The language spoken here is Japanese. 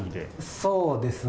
そうですね。